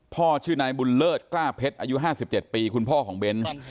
พ่อชื่อนายบุญเลิศกล้าพรรดิอายุห้าสิบเจ็ดปีคุณพ่อของเบนครับ